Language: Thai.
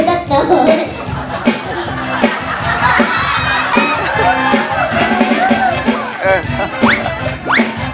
เออ